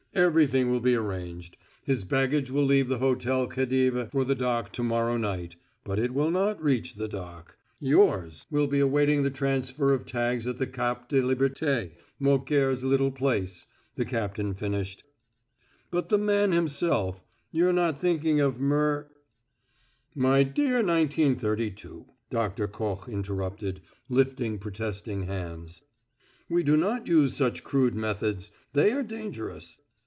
"Everything will be arranged. His baggage will leave the Hotel Khedive for the dock to morrow night; but it will not reach the dock. Yours " "Will be awaiting the transfer of tags at the Cap de Liberté Mouquère's little place," the captain finished. "But the man himself you're not thinking of mur " "My dear Nineteen Thirty two," Doctor Koch interrupted, lifting protesting hands; "we do not use such crude methods; they are dangerous.